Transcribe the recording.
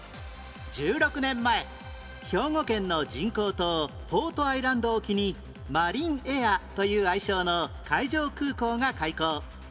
１６年前兵庫県の人工島ポートアイランド沖にマリンエアという愛称の海上空港が開港